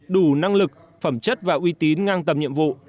đủ năng lực phẩm chất và uy tín ngang tầm nhiệm vụ